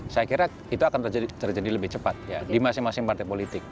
saya kira itu akan terjadi lebih cepat di masing masing partai politik